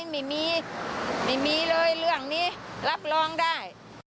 ไม่มีไม่มีเลยเรื่องนี้รับรองได้